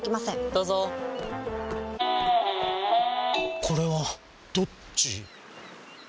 どうぞこれはどっち？